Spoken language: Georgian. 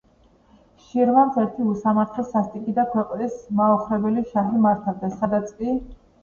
შირვანს ერთი უსამართლო, სასტიკი და ქვეყნის მაოხრებელი შაჰი მართავდა. სადაც კი